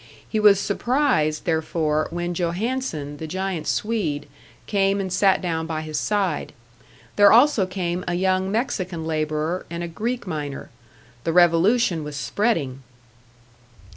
He was surprised, therefore, when Johannson, the giant Swede, came and sat down by his side. There also came a young Mexican labourer, and a Greek miner. The revolution was spreading!